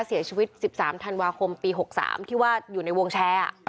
เสียชีวิตสิบสามธันวาคมปีหกสามที่ว่าอยู่ในวงแชร์อ่ะ